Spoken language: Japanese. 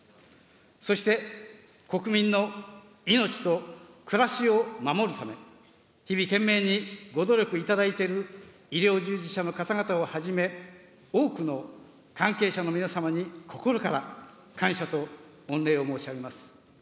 そして、国民の命と暮らしを守るため、日々、懸命にご努力いただいている医療従事者の方々をはじめ、多くの関係者の皆様に心から感謝と御礼を申し上げます。